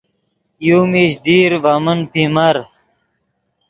یو میش دیر ڤے من پیمر